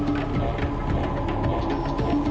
peralatan dagangan ini